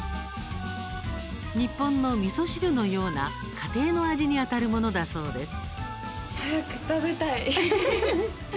日本の、みそ汁のような家庭の味にあたるものだそうです。